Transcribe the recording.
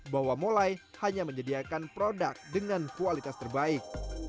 bahwa molai hanya menyediakan produk dengan kualitas terbaik